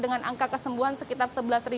dengan angka kesembuhan sekitar sebelas